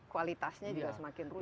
kualitasnya juga semakin rusak